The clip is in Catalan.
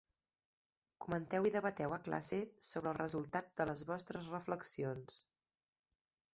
Comenteu i debateu a classe sobre el resultat de les vostres reflexions.